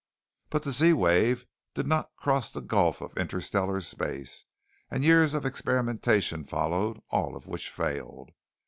"But the Z wave did not cross the gulf of interstellar space, and years of experimentation followed, all of which failed.